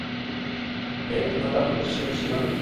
এ জন্য তার দুঃখ ছিল সীমাহীন।